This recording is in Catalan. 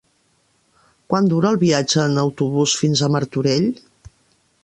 Quant dura el viatge en autobús fins a Martorell?